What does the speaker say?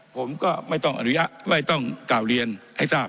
ผมก็ไม่ต้องอนุญาตไม่ต้องกล่าวเรียนให้ทราบ